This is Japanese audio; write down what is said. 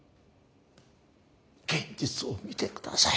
現実を見てください。